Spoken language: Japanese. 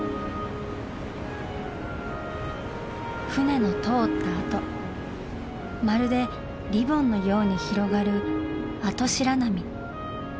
船の通ったあとまるでリボンのように広がるあと白波。